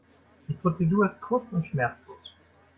Die Prozedur ist kurz und schmerzlos.